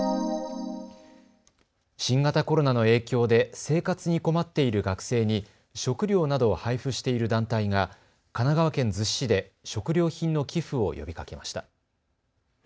新型コロナの影響で生活に困っている学生に食料などを配布している団体が神奈川県逗子市で食料品の寄付を呼びかけました。